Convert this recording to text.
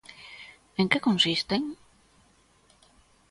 ¿En que consisten?